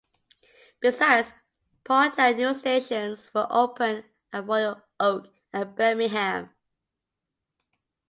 Besides Pontiac, new stations were opened at Royal Oak and Birmingham.